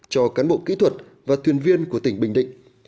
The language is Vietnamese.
cho cán bộ kỹ thuật và thuyền viên của tỉnh bình định